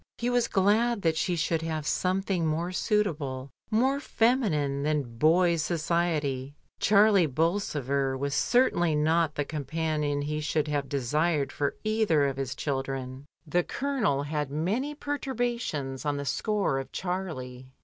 He was glad that she should have some thing more suitable, more feminine than boys' society. Charlie Bolsover was certainly not the companion he should have desired for either of his children. The Colonel had many perturbations on the score of Charlie.